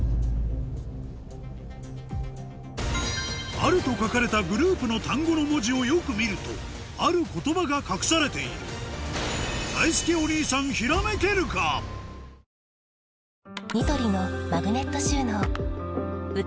「ある」と書かれたグループの単語の文字をよく見るとある言葉が隠されているだいすけお兄さん服のニオイ気にしていろんなもの使ってない？